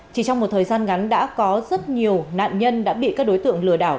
chỉ trong một thời gian ngắn đã có rất nhiều nạn nhân đã bị các đối tượng lừa đảo